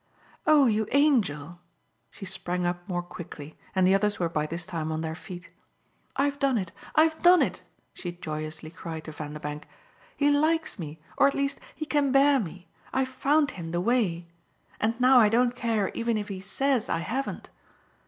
"Oh you angel!" She sprang up more quickly and the others were by this time on their feet. "I've done it, I've done it!" she joyously cried to Vanderbank; "he likes me, or at least he can bear me I've found him the way; and now I don't care even if he SAYS I haven't."